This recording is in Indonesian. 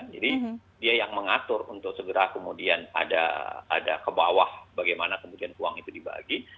jadi dia yang mengatur untuk segera kemudian ada kebawah bagaimana kemudian uang itu dibagi